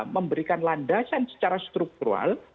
memberikan landasan secara struktural